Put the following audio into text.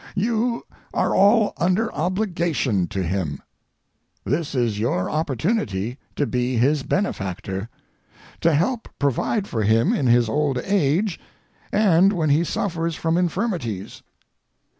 You are all under obligation to him. This is your opportunity to be his benefactor—to help provide for him in his old age and when he suffers from infirmities.